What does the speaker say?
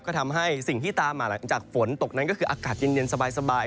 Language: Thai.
ก็ทำให้สิ่งที่ตามมาหลังจากฝนตกนั้นก็คืออากาศเย็นสบาย